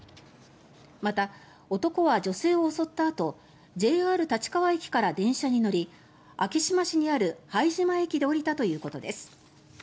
また、男は女性を襲ったあとＪＲ立川駅から電車に乗り昭島市にある拝島駅で降りたということです。